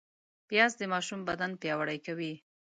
پیاز د ماشوم بدن پیاوړی کوي